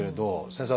先生。